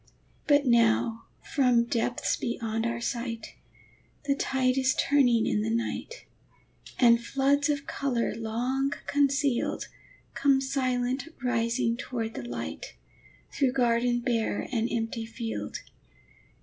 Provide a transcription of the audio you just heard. But now from depths beyond our sight, The tide is turning in the night, And floods of color long concealed Come silent rising toward the light, Through garden bare and empty field.